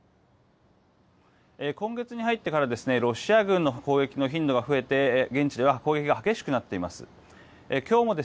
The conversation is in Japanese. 今月に入ってからロシア軍の攻撃の頻度が増えて現地では砲撃が激しくなっています。